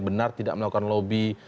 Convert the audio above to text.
benar tidak melakukan lobby